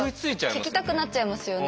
聞きたくなっちゃいますよね。